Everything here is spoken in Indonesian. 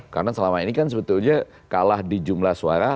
karena selama ini kan sebetulnya kalah di jumlah suara